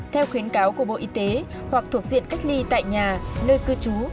theo khuyến cáo của bộ y tế hoặc thuộc diện cách ly tại nhà nơi cư trú